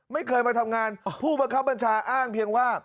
ไม่เคยมาทำงานผู้บังคับบัญชาอ้างเพียงว่า